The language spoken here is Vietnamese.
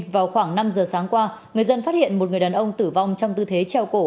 vào khoảng năm giờ sáng qua người dân phát hiện một người đàn ông tử vong trong tư thế treo cổ